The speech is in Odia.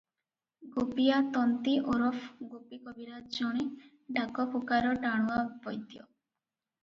ଗୋପୀଆ ତନ୍ତୀ ଓରଫ ଗୋପୀ କବିରାଜ ଜଣେ ଡାକଫୁକାର ଟାଣୁଆ ବୈଦ୍ୟ ।